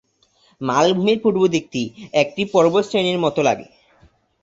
মালভূমির পূর্ব দিকটি একটি পর্বতশ্রেণীর মত লাগে।